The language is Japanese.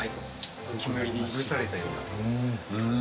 煙でいぶされたような。